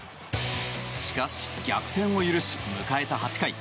しかし、逆転を許し迎えた８回。